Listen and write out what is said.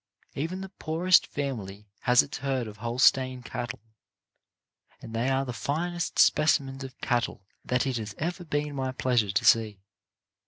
Even the poorest family has its herd of Holstein cattle, and they are the finest specimens of cattle that it has ever been my pleas ure to see.